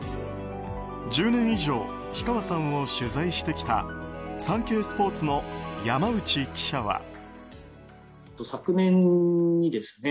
１０年以上氷川さんを取材してきたサンケイスポーツの山内記者は。